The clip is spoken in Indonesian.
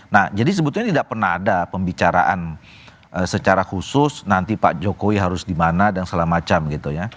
nah jadi sebetulnya tidak pernah ada pembicaraan secara khusus nanti pak jokowi harus dimana dan segala macam gitu ya